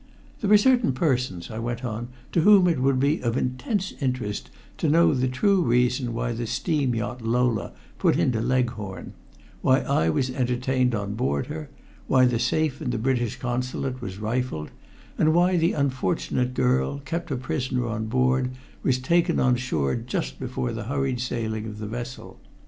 "There are certain persons," I went on, "to whom it would be of intense interest to know the true reason why the steam yacht Lola put into Leghorn; why I was entertained on board her; why the safe in the British Consulate was rifled, and why the unfortunate girl, kept a prisoner on board, was taken on shore just before the hurried sailing of the vessel.